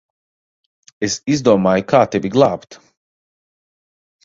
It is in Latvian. Es izdomāju, kā tevi glābt.